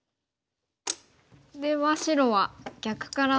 では白は逆から。